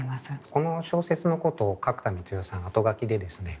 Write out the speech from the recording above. この小説のことを角田光代さん後書きでですね